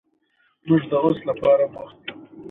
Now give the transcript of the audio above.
د لوړو زده کړو لرونکو کسانو څخه یې په کارونو کې کار واخیست.